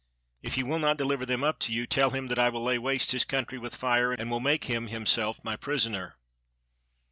If he will not deliver them up to you, tell him that I will lay waste his country with fire, and will make him himself my prisoner."